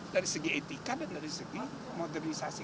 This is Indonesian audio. dari segi etika dan dari segi modernisasi